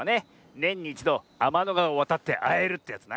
ねんに１どあまのがわをわたってあえるってやつな。